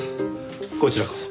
こちらこそ。